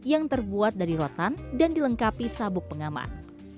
yang terbuat dari rotan dan dilengkapi sabuk pengaman